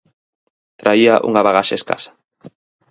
Traía unha bagaxe escasa.